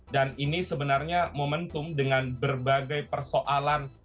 dan ini sebenarnya momentum dengan berbagai persoalan